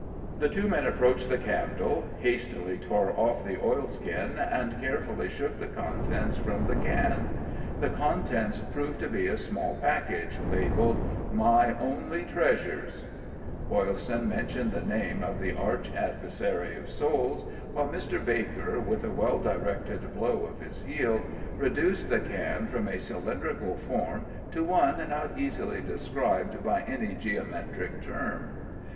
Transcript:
The two men approached the candle, hastily tore off the oilskin, and carefully shook the contents from the can. The contents proved to be a small package, labeled: "My only treasures." Boylston mentioned the name of the arch adversary of souls, while Mr. Baker, with a well directed blow of his heel, reduced the can from a cylindrical form to one not easily described by any geometric term.